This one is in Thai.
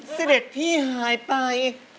เสด็จพี่หายไป